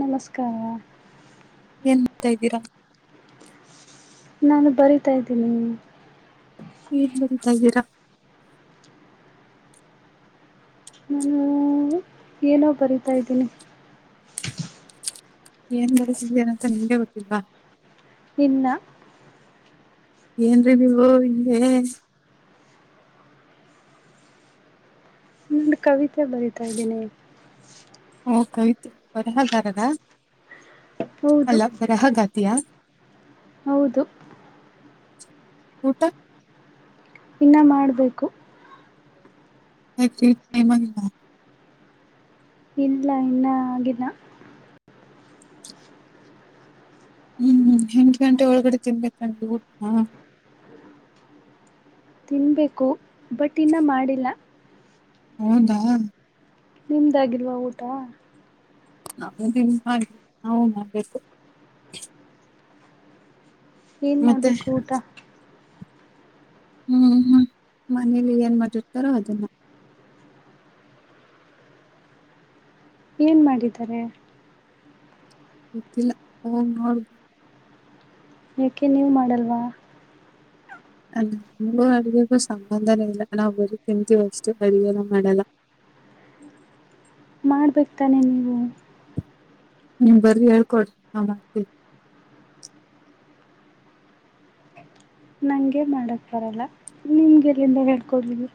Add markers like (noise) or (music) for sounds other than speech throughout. ನಮಸ್ಕಾರ ಏನ್ ಮಾಡ್ತಾ ಇದ್ದೀರಾ ನಾನು ಬರೀತಾ ಇದ್ದೀನಿ ಏನ್ ಬರಿತಾ ಇದ್ದೀರಾ. ನಾನು ಏನೋ ಬರಿತಾ ಇದಿನಿ. ಏನ್ ಬರೀಸಿದ್ದೀರಾ ಅಂತ ನಿಮ್ಗೆ ಗೊತ್ತಿಲ್ವಾ. ಇನ್ನ ಏನ್ರರಿ ನೀವು ಹಿಂಗೇ ದ ಕವಿತೆ ಬರೀತಾ ಇದ್ದೀನಿ. ಓ ಕವಿತೆ ಬರಹಗಾರರ ಹೌದು ಅಲ್ಲ ಬರಹಗತಿಯಾ ಹೌದು. ಊಟ. ಇನ್ನ ಮಾಡಬೇಕು. (unintelligible) ಇಲ್ಲ ಇನ್ನ ಆಗಿಲ್ಲ. ಹ್ಮ ಎಂಟ ಗಂಟೆ ಒಳಗಡೆ ತಿನ್ಬೇಕಂಗ ಊಟ. ತಿನ್ನಬೇಕು ಬಟ್ ಇನ್ನ ಮಾಡಿಲ್ಲ. ಹೌದಾ. ನಿಮ್ದಾಗಿಲ್ವಾ ಊಟ. (unintelligible) ನಾವು ಮಾಡ್ಬೇಕು. ಏನು ಮತ್ತೆ ಮಾಡಬೇಕು ಊಟ ಹ್ಮ ಹ್ಮ ಮನೇಲಿ ಏನ್ ಮಾಡಿರ್ತಾರೋ ಅದನ್ನ ಏನ ಮಾಡಿದ್ದಾರೆ. ಗೊತ್ತಿಲ್ಲ ಹೋ ನೋಡು. ಏಕೆ ನೀವ ಮಾಡಲ್ವಾ. ನಮಗೂ ಅಡುಗೆಗೂ ಸಂಬಂಧನೇ ಇಲ್ಲ ನಾವ ಬರ ತಿಂತೀವಿ ಅಷ್ಟ ಅಡಗೆನೇ ಮಾಡಲ್ಲ. ಮಾಡ್ಬೇಕ ತಾನೆ ನೀವು ನೀವ್ ಬರಿ ಹೇಳ್ಕೊಡ್ರಿ ನಾ ಮಾಡ್ತೀವ. ನಂಗೆ ಮಾಡೋಕ್ಕ ಬರಲ್ಲ ನಿಮ್ಗ ಎಲ್ಲಿಂದ ಹೇಳ್ಕೊಡ್ಲಲಿ.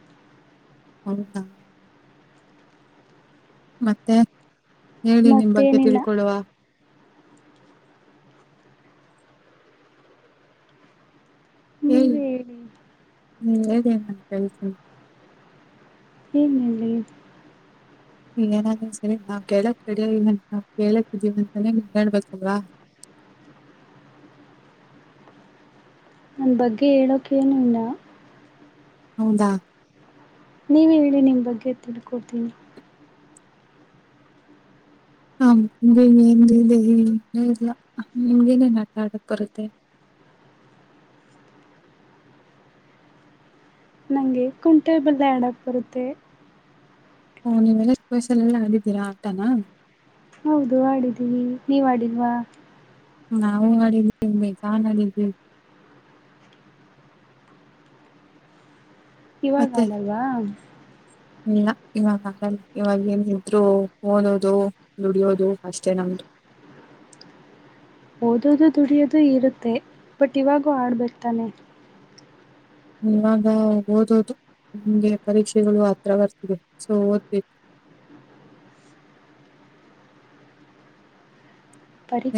ಹೌದಾ. ಮತ್ತೆ ಹೇಳಿ ನಿಮ್ಮ ಬಗ್ಗೆ ಮತ್ತೇನಿಲ್ಲ ತಿಳ್ಕೊಳ್ಳುವ ಹೇಳಿ ಹ್ಮ (unintelligible) ಏನ ಹೇಳಲಿ. ಏನಾದ್ರ ಸರಿ ನಾವ್ ಕೇಳಕ್ (unintelligible) ಕೇಳಕ್ ಇದೀವ ಅಂತಾನೇ ನಿಮ್ಗ ಹೇಳ್ಬೇಕಲ್ವಾ. ನನ್ನ ಬಗ್ಗೆ ಹೇಳಕ್ ಏನು ಇಲ್ಲ. ಹೌದಾ. ನೀವ ಹೇಳಿ ನಿಮ್ಮ ಬಗ್ಗೆ ತಿಳ್ಕೊಡ್ತೀನಿ. ನಮದ ಏನ್ ಏನ್ರಿ ಇದೆ ಹೇಳಿ ಏನಿಲ್ಲ ಆಟ ಆಡಕ್ ಬರತ್ತೆ. ಕುಂಟೆ ಬಿಲ್ಲೆ ಆಡಕ್ ಬರತ್ತೆ. ಓ ನೀವೆಲ್ಲ (unintelligible) ಎಲ್ಲ ಆಡಿದ್ದೀರಾ ಆಟನಾ. ಹೌದು ಆಡಿದೀವಿ ನೀವ ಆಡಿಲ್ವಾ. ನಾವು ಆಡಿವಿ ಮೇಘನ್ ಆಡಿವಿ. ಇವಾಗ ಮತ್ತೆ ಆಡಲ್ವಾ. ಇಲ್ಲ ಇವಾಗ ಆಗಲ್ಲ ಇವಾಗ ಏನ ಇದ್ರು ಓದೋದು ದುಡಿಯೋದು ಅಷ್ಟೇ ನಮ್ದು ಓದೋದು ದುಡಿಯೋದು ಇರುತ್ತೆ ಬಟ್ ಇವಾಗ ಆಡ್ಬೇಕ್ತಾನೆ. ಇವಾಗ ಓದೋದು ನಿಮ್ಗೆ ಪರೀಕ್ಷೆಗಳು ಹತ್ರ ಬರ್ತಿದೆ ಸೊ ಓದ್ಬೇಕ್.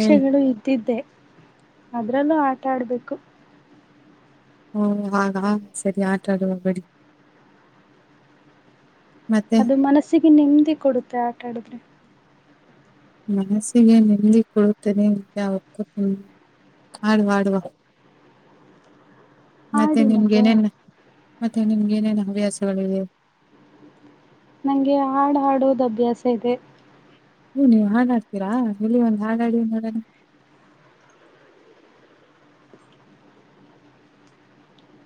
ಹೇಳಿ ಇದ್ದಿದ್ದೆ ಅದ್ರಲ್ಲೂ ಆಟ ಆಡ್ಬೇಕು. ಹು ಇವಾಗ ಸರಿ ಆಟ ಆಡುವ ಬಿಡಿ. ಮತ್ತೆ ಅದು ಮನಸ್ಸಿಗೆ ನೆಮ್ದಿ ಕೊಡುತ್ತೆ ಆಟ ಆಡಿದ್ರೆ ಮನಸ್ಸಿಗೆ ನೆಮ್ದಿ ಕೊಡುತ್ತದೆ ಅಂತ (unintelligible) (unintelligible) ಆಡುವ ಮತ್ತೆ ನಿಮ್ಗೆ ಏನೇನ್ ಮತ್ತೆ ನಿಮ್ಗೆ ಏನೇನ್ ಅಭ್ಯಾಸಗಳಿವೆ ನಂಗೆ ಹಾಡ್ ಹಾಡೋದು ಅಭ್ಯಾಸ ಇದೆ ಹ್ಮ ನೀವ್ ಹಾಡ್ ಹಾಡ್ತಿರಾ ಎಲ್ಲಿ ಒಂದ್ ಹಾಡ್ ಹಾಡಿ ನೋಡಣ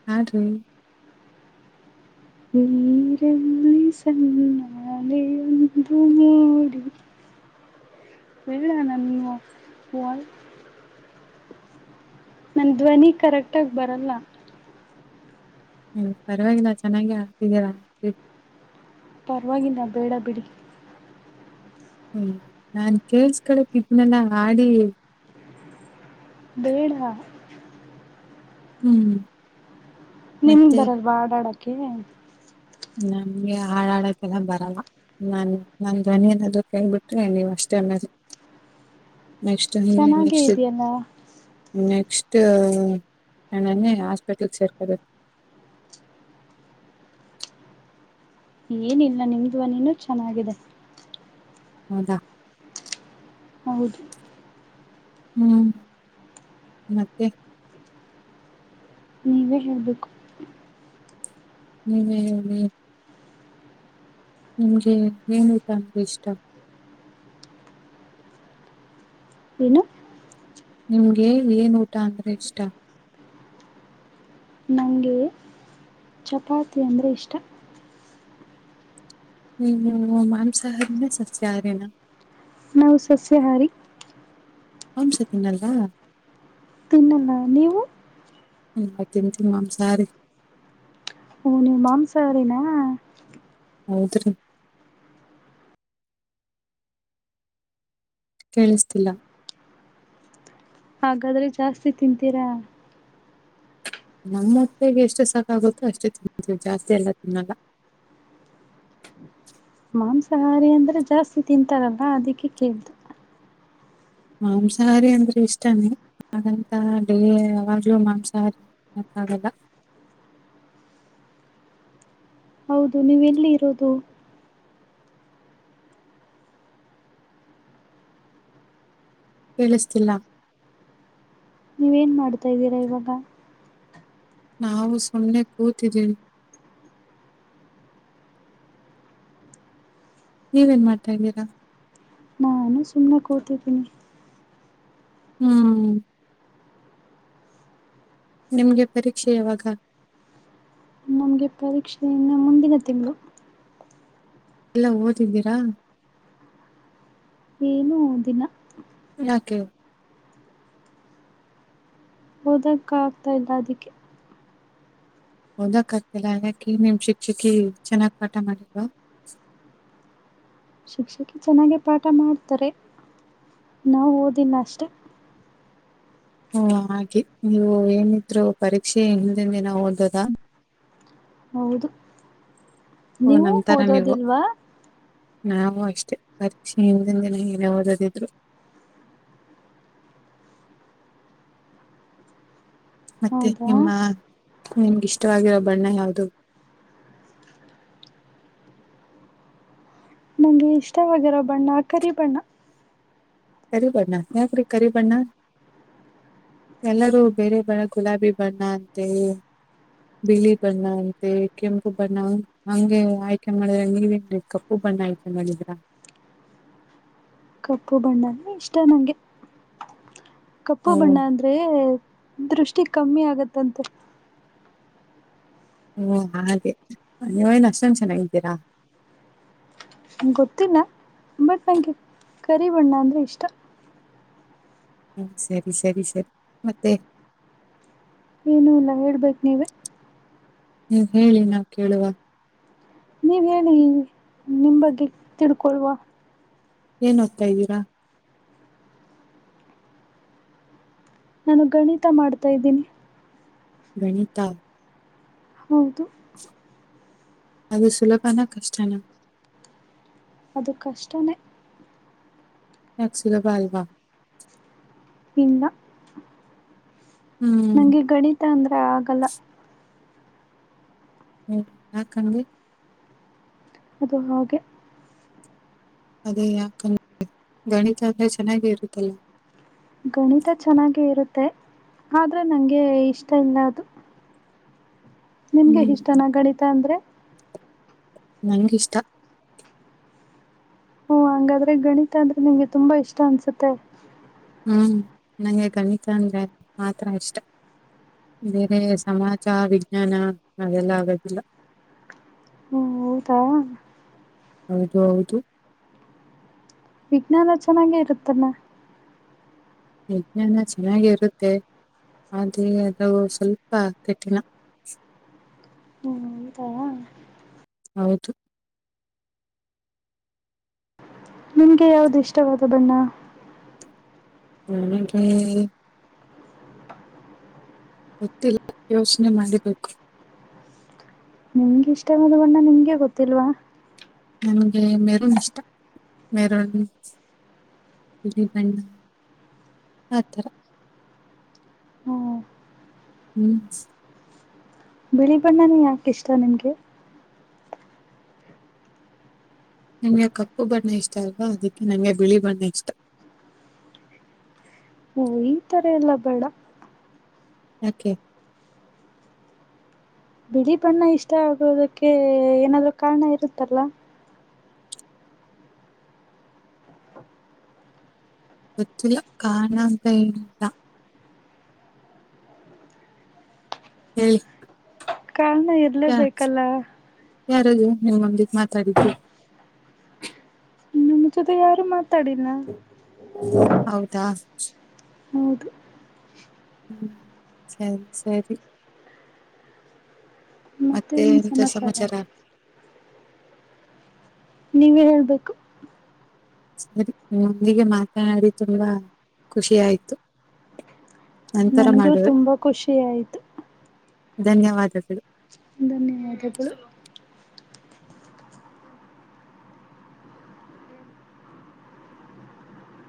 ಹಾಡ್ರಿ ನೀರಲ್ಲಿ ಸಣ್ಣ ಅಲೆಯೊನ್ (unintelligible) ನನ್ (unintelligible) ನನ್ ಧ್ವನಿ ಕರೆಕ್ಟಾಗ್ ಬರೋಲ್ಲ ಹ್ಮ್ ಪರ್ವಾಗಿಲ್ಲ ಚೆನಾಗೆ ಹಾಡ್ತಿದೀರ ಪರ್ವಾಗಿಲ್ಲ ಬೇಡ ಬಿಡಿ ಹ್ಮ್ ನಾನ್ ಕೇಳ್ಸಳಕ್ ಇದ್ನೆಲ್ಲ ಹಾಡಿ ಬೇಡ ಹ್ಮ್ ನಿಮ್ಗ್ ಮತ್ತೆ ಬರಲ್ವಾ ಹಾಡಾಡಕೆ ನಮ್ಗೆ ಹಾಡಾಡಕ್ಕೆಲ್ಲ ಬರಲ್ಲ ನಾನ್ ನನ್ ಧ್ವನಿ ಏನಾದ್ರು ಕೇಳ್ಬಿಟ್ರೆ ನೀವ್ ಅಷ್ಟೇ ಅನ್ನದು ನೆಕ್ಸ ಹಿಂದ ಚೆನ್ನಾಗೇ ನೆಕ್ಸ್ ಇದೆಯಲ್ಲ ನೆಕ್ಸ್ಟ್ ನಣನೆ ಹಾಸ್ಪಿಟ್ಲ್ ಸೇರ್ಕ ಏನಿಲ್ಲ ನಿಮ್ದ್ವ ನೀನುೂ ಚೆನ್ನಾಗಿದೆ ಹೌದಾ ಹೌದು ಹ್ಮ್ ಮತ್ತೆ ನೀವೇ ಹೇಳ್ಬೇಕು ಹ್ಮ್ ಹ್ಮ್ ಹ್ಮ್ ನಿಮ್ಗೆ ಏನುಟ ಅಂದ್ರೆ ಇಷ್ಟ ಏನು ನಿಮ್ಗೆ ಏನ್ ಊಟ ಅಂದ್ರೆ ಇಷ್ಟ ನನಗೆ ಚಪಾತಿ ಅಂದರೆ ಇಷ್ಟ ಹ್ಮ್ ಹ್ಮ ಮಾಂಸಹಾರಿಣ ಸಸ್ಯಾಹಾರಿಣ ನಾವು ಸಸ್ಯಹಾರಿ ಅಂಸ ತಿನಲ್ವಾ ಇನ್ನಲ್ಲ ನೀವು ಹ ಆ್ತಂತಮ್ಮ್ ಸಾರಿ ನೀ ಮಾಂಸಾವರೇನಾ ಹೌದ್ರೀ ಕೇಳಿಸ್ತಿಲ್ಲ ಹಾಗಾದ್ರೆ ಜಾಸ್ತಿ ತಿಂತೀರಾ ನಮ್ಮ ಮತ್ತಿಗೆ ಎಷ್ಟು ಸಾಕಾಗುತ್ತೋ ಅಷ್ಟು ತಿನ್ವಿ ಜಾಸ್ತಿ ಎಲ್ಲ ತಿನ್ನಲ್ಲ ಮಾಂಸಾಹಾರಿ ಅಂದ್ರೆ ಜಾಸ್ತಿ ತಿಂತಾರಲ್ಲ ಅದಕ್ಕೆ ಕೇಳತು ಮಾಂಸಾಹಾರಿ ಅಂದ್ರೆ ಇಷ್ಟನ ಹಾಗಂತ ಡೇ ಅವಾಗಲು ಮಾಂಸಾಹಾರಿ ಮಾಗಲ್ಲ ಹೌದು ನೀವು ಎಲ್ಲಿ ಇರೋದು ಕೇಳಿಸ್ತಿಲ್ಲ ನೀವೇನ್ ಮಾಡ್ತಾ ಇದ್ದೀರಾ ಇವಾಗ. ನಾವು ಸುಮ್ನೆ ಕೂತಿದ್ದೀವಿ. ನೀವ್ ಏನ್ ಮಾಡ್ತಾ ಇದ್ದೀರಾ. ನಾನು ಸಮ್ನೆ ಕುತಿದಿನಿ. ಹಾ ನಿಮ್ಗೆ ಪರೀಕ್ಷೆ ಯಾವಾಗ. ನಮ್ಗೆ ಪರೀಕ್ಷೆ ಇನ್ನ ಮುಂದಿನ ತಿಂಗ್ಳು. ಎಲ್ಲ ಓದಿದ್ದೀರಾ. ಏನೂ ಓದಿಲ್ಲಾ. ಯಾಕೆ ಓದಕ್ ಆಗ್ತಾ ಇಲ್ಲ ಅದಿಕ್ಕೆ. ಓದಕ್ ಆಗ್ತಿಲ್ಲ ಯಾಕೆ ನಿಮ್ ಶಿಕ್ಷಕಿ ಚೆನ್ನಾಗ್ ಪಾಠ ಮಾಡಿಲ್ವಾ. ಶಿಕ್ಷಕಿ ಚೆನ್ನಾಗೆ ಪಾಠ ಮಾಡ್ತಾರೆ ನಾವ್ ಓದಿಲ್ಲ ಅಷ್ಟೆ. ಹೋ ಹಾಗೆ ನೀವು ಏನಿದ್ರು ಪರೀಕ್ಷೆ ಹಿನ್ದಿನ್ ದಿನ ಓದದಾ. ಹೌದು ಓ ನೀವು ನಮ್ ತರ ನೀವು ಓದೋದಿಲ್ವಾ. ನಾವು ಅಷ್ಟೇ ಪರೀಕ್ಷೆ ಇಂದಿನ್ ದಿನ ಏನೆ ಓದದಿದ್ರು. ಮತ್ತೆ ಹೌದಾ ನಿಮ್ಮ ನಿಮ್ಗೆ ಇಷ್ಟವಾಗಿರೋ ಬಣ್ಣ ಯಾವ್ದು. ನನ್ಗೆ ಇಷ್ಟವಾಗಿರೋ ಬಣ್ಣ ಕರಿ ಬಣ್ಣ. ಕರಿಬಣ್ಣ ಯಾಕ್ರೀ ಕರಿಬಣ್ಣ. ಎಲ್ಲರೂ ಬೇರೆ ಬಣ್ಣ ಗುಲಾಬಿ ಬಣ್ಣ ಅಂತೆಳಿ. ಬಿಳಿ ಬಣ್ಣ ಅಂತೆ ಕೆಂಪು ಬಣ್ಣ. ಹಂಗೆ ಆಯ್ಕೆ ಮಾಡಿದ್ರೆ ನೀವೇನ್ ರಿ ಕಪ್ಪು ಬಣ್ಣ ಆಯ್ಕೆ ಮಾಡಿದಿರ. ಕಪ್ಪು ಬಣ್ಣ ಅಂದ್ರೆ ಇಷ್ಟ ನನ್ಗೆ ಕಪ್ಪು ಓ ಬಣ್ಣ ಅಂದ್ ದೆ ದೃಷ್ಟಿ ಕಮ್ಮಿ ಆಗುತ್ತಂತೆ. ಹ್ಮ ಹಾಗೆ ನೀವೇನ್ ಅಷ್ಟೊಂದ್ ಚೆನ್ನಾಗಿದ್ದೀರಾ. ಗೊತ್ತಿಲ್ಲ ಬಟ್ ನನ್ಗೆ ಕರಿ ಬಣ್ಣ ಅಂದರೆ ಇಷ್ಟ. ಹ್ಮ್ ಸರಿ ಸರಿ ಸರಿ ಮತ್ತೆ. ಏನುಲ್ಲಾ ಹೇಳ್ಬೇಕ್ ನೀವೆ. ಹ್ಮ್ ಹೇಳಿ ನಾವ್ ಕೇಳುವ. ನೀವ್ ಹೇಳಿ ನಿಮ್ ಬಗ್ಗೆ ತಿಳ್ಕೊಳುವ. ಏನ್ ಓದ್ತ ಇದ್ದೀರಾ. ನಾನು ಗಣಿತ ಮಾಡ್ತಾ ಇದ್ದೀನಿ. ಗಣಿತ. ಹೌದು. ಅದು ಸುಲಭಾನ ಕಷ್ಟನ. ಅದು ಕಷ್ಟನೇ. ಯಾಕ್ ಸುಲಭ ಅಲ್ವಾ. ಇಲ್ಲ. ಹ್ಮ್ ನಂಗೆ ಗಣಿತ ಅಂದ್ರೆ ಆಗಲ್ಲ. ಹ್ಮ ಯಾಕ್ ಅಂಗೆ. ಅದು ಹಾಗೆ. ಅದೇ ಯಾಕ್ ಅಂಗೆ ಗಣಿತ ಅಂದ್ರೆ ಚೆನ್ನಾಗೆ ಇರುತ್ತಲ್ಲ. ಗಣಿತ ಚೆನ್ನಾಗೆ ಇರುತ್ತೆ ಆದ್ರೆ ನಂಗೆ ಇಷ್ಟ ಇಲ್ಲ ಅದು. ನಿಮಗೆ ಹ್ಮ್ ಇಷ್ಟನ ಗಣಿತ ಅಂದ್ರೆ. ನಂಗ್ ಇಷ್ಟ. ಹ್ಮ ಹಂಗಾದ್ರೆ ಗಣಿತ ಅಂದ್ರೆ ನಿಮ್ಗೆ ತುಂಬಾ ಇಷ್ಟ ಅನ್ಸುತ್ತೆ ಹ್ಮ್ ನಂಗೆ ಗಣಿತ ಅಂದ್ರೆ ಮಾತ್ರ ಇಷ್ಟ ಬೇರೆ ಸಮಾಜ ವಿಜ್ಞಾನ ಅದೆಲ್ಲ ಆಗೋದಿಲ್ಲ (inaudible) ಓ ಹೌದಾ ಹೌದು ಹೌದು ವಿಜ್ಞಾನ ಚೆನ್ನಾಗೆ ಇರುತ್ತಲ್ಲ ವಿಜ್ಞಾನ ಚೆನ್ನಾಗಿರುತ್ತೆ ಆದೆ ಅದು ಸ್ವಲ್ಪ ಕಠಿಣ ಹ್ಮ್ ಹೌದಾ ಹೌದು ನಿಮ್ಗೆ ಯಾವ್ದು ಇಷ್ಟವಾದ ಬಣ್ಣ ನನಿಗೆ ಗೊತ್ತಿಲ್ಲ ಯೋಚನೆ ಮಾಡಿಬೇಕು ನಿಮ್ಗೆ ಇಷ್ಟವಾದ ಬಣ್ಣ ನಿಮ್ಗೆ ಗೊತ್ತಿಲ್ವಾ ನಮಗೆ ಮೆರನ್ ಇಷ್ಟ ಮೆರನು ಬಿಳ ಬಣ್ಣ ಆಥರ ಹ್ಮ್ ಹ್ಮ್ ಬಿಳಿ ಬಣ್ಣನ ಯಾಕೆ ಇಷ್ಟ ನಿಮಗೆ ನಿಮಗೆ ಕಪ್ಪು ಬಣ್ಣ ಇಷ್ಟ ಅಲ್ವಾ ಅದಕ್ಕೆ ನಂಗೆ ಬಿಳಿ ಬಣ್ಣ ಇಷ್ಟ ಓ ಈ ತರ ಎಲ್ಲ ಬೇಡ ಯಾಕೆ ಬಿಳಿ ಬಣ್ಣ ಇಷ್ಟ ಆಗೋದಕ್ಕೆ ಏನಾದರು ಕಾರಣ ಇರುತ್ತಲ್ಲ ಗೊತ್ತಿಲ್ಲ ಕಾರಣಂತ ಏನಿಲ್ಲ ಹೇಳಿ (unintelligible) ಯಾ ಯಾರದು ನಮುಂದಿಗೆ ಮಾತಾಡಿದ್ದು ನನ್ನಜೊತೆ ಯಾರು ಮಾತಾಡಿಲ್ಲ ಹೌದಾ ಹೌದು ಹ್ಮ್ ಸರಿ ಸರಿ ಮತ್ತೆ ಮತ್ತೆನ ಎಂತ ಸಮಾಚಾರ ನೀವೇ ಹೇಳ್ಬೇಕು ನಿಮೊಂದಿಗೆ ಮಾತನಾಡಿ ತುಂಬಾ ಖುಷಿ ಆಯ್ತು ನಂತರ ನನಗೂ ಮಾಡುವೆ ತುಂಬಾ ಖುಷಿ ಆಯ್ತು ಧನ್ಯವಾದಗಳು ಧನ್ಯವಾದಗಳು